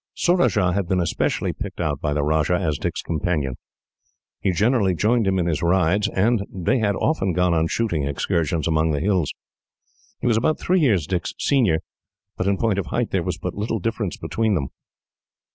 Surajah had been especially picked out, by the Rajah, as Dick's companion. He generally joined him in his rides, and they had often gone on shooting excursions among the hills. He was about three years Dick's senior, but in point of height there was but little difference between them.